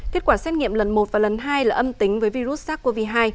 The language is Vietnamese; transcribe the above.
kết quả xét nghiệm lần một và lần hai là âm tính với virus sars cov hai